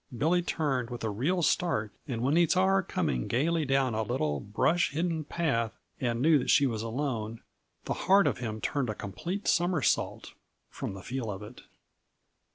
Billy turned with a real start, and when he saw her coming gayly down a little, brush hidden path and knew that she was alone, the heart of him turned a complete somersault from the feel of it.